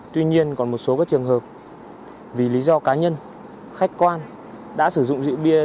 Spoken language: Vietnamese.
tuy nhiên còn một số trường hợp vì lý do cá nhân khách quan đã sử dụng rượu bia